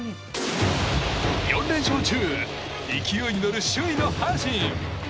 ４連勝中勢いに乗る首位の阪神。